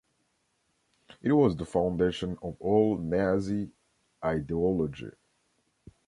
It was the foundation of all Nazi ideology.